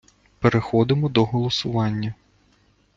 Переходимо до голосування.